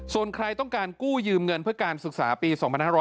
ส่วนใครต้องการกู้ยืมเงินเพื่อการศึกษาปี๒๕๖๐